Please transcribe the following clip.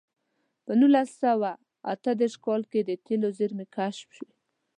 په نولس سوه اته دېرش کال کې د تېلو زېرمې کشف شوې.